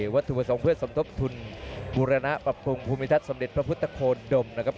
วัตถุประสงค์เพื่อสมทบทุนบูรณปรับปรุงภูมิทัศนสมเด็จพระพุทธโคนดมนะครับ